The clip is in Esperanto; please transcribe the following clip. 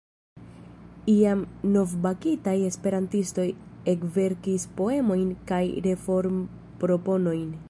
Iam novbakitaj esperantistoj ekverkis poemojn kaj reformproponojn.